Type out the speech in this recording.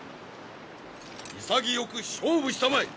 潔く勝負したまえ！